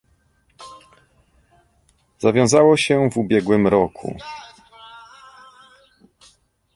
zawiązało się w ubiegłym roku